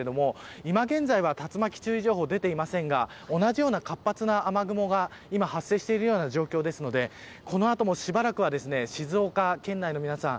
今現在、竜巻注意情報は出ていませんが同じような活発な雨雲が発生している状況なのでこの後もしばらくは静岡県内の皆さん